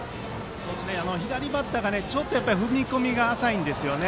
左バッターがちょっと踏み込みが浅いんです。